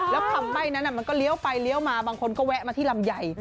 แล้วคำใบ้นั้นมันก็เลี้ยวไปเลี้ยวมาบางคนก็แวะมาที่ลำใหญ่